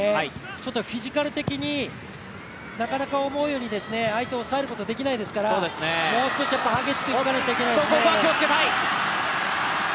ちょっとフィジカル的になかなか思うように相手を押さえることができないですから、もう少し激しくいかないといけないですね。